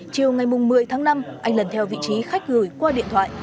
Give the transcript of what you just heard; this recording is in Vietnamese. chiều ngày một mươi tháng năm anh lần theo vị trí khách gửi qua điện thoại